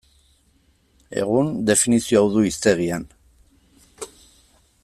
Egun, definizio hau du hiztegian.